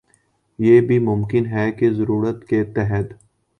یہ بھی ممکن ہے کہہ ضرورت کے تحت